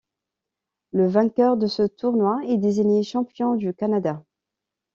Le vainqueur de ce tournoi est désigné champion du Canada.